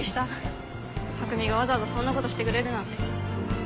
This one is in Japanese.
匠がわざわざそんなことしてくれるなんて。